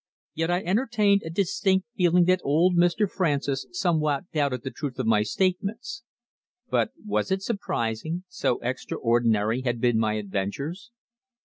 Yet I entertained a distinct feeling that old Mr. Francis somewhat doubted the truth of my statements. But was it surprising, so extraordinary had been my adventures?